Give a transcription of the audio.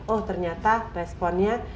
oh ternyata responnya